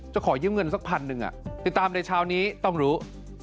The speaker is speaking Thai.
ขอยืมเงินสักพันหนึ่งติดตามในเช้านี้ต้องรู้